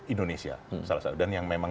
indonesia salah satu dan yang memang